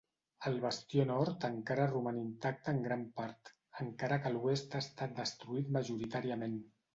El bastió nord encara roman intacte en gran part, encara que l'oest ha estat destruït majoritàriament.